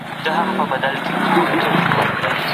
د زکات ورکول د مؤمنانو له صفاتو څخه دی.